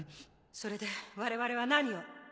それで我々は何を？